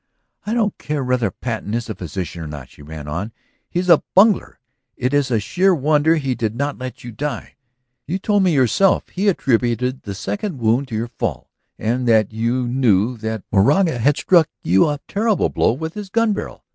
"I don't care whether Patten is a physician or not," she ran on. "He is a bungler. It is a sheer wonder he did not let you die. You told me yourself that he attributed the second wound to your fall and that you knew that Moraga had struck you a terrible blow with his gun barrel.